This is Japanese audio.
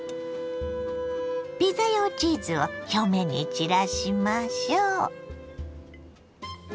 ピザ用チーズを表面に散らしましょう。